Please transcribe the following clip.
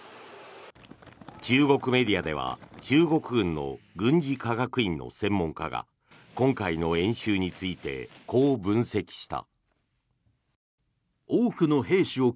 中国メディアでは中国軍の軍事科学院の専門家が今回の演習についてこう分析した。